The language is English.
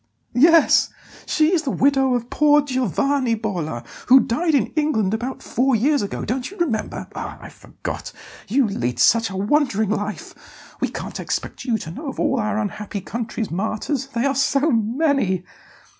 "Yes; she is the widow of poor Giovanni Bolla, who died in England about four years ago, don't you remember? Ah, I forgot you lead such a wandering life; we can't expect you to know of all our unhappy country's martyrs they are so many!"